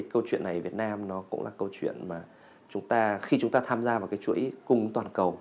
câu chuyện này việt nam cũng là câu chuyện mà khi chúng ta tham gia vào chuỗi cung ứng toàn cầu